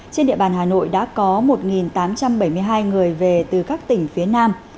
trên địa bàn hà nội đã có một tám trăm bảy mươi hai người về từ các tỉnh phía nam